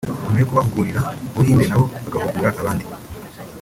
nyuma yo kubahugurira mu Buhinde nabo bagahugura abandi